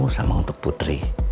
sama untuk putri